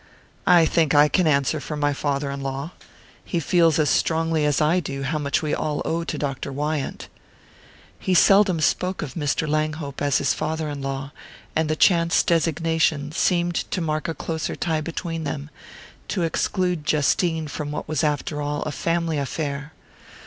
"I think I can answer for my father in law. He feels as strongly as I do how much we all owe to Dr. Wyant." He seldom spoke of Mr. Langhope as his father in law, and the chance designation seemed to mark a closer tie between them, to exclude Justine from what was after all a family affair.